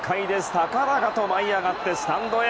高々と舞い上がってスタンドへ。